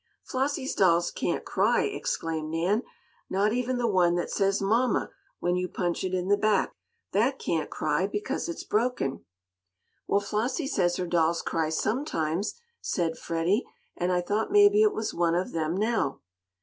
"Flossie's dolls can't cry!" exclaimed Nan. "Not even the one that says 'mama,' when you punch it in the back. That can't cry, because it's broken." "Well, Flossie says her dolls cry, sometimes," said Freddie, "and I thought maybe It was one of them now."